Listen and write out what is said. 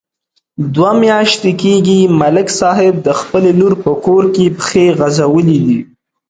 دوه میاشتې کېږي، ملک صاحب د خپلې لور په کور کې پښې غځولې دي.